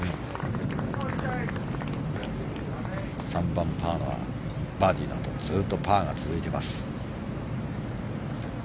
３番でバーディーのあとずっとパーが続いています。